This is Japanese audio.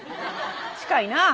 近いなあ。